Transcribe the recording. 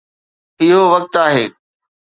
اهو وقت آهي